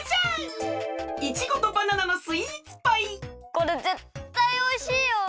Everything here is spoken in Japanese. これぜったいおいしいよ！